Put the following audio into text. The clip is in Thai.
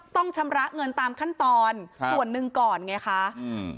ต้องชำระเงินตามขั้นตอนครับส่วนหนึ่งก่อนไงคะอืม